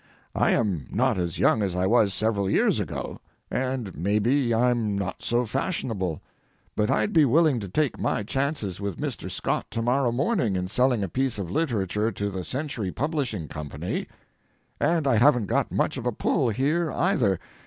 I am not as young as I was several years ago, and maybe I'm not so fashionable, but I'd be willing to take my chances with Mr. Scott to morrow morning in selling a piece of literature to the Century Publishing Company. And I haven't got much of a pull here, either.